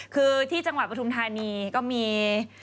คือที่จังหวะประทุนธาณีก็มี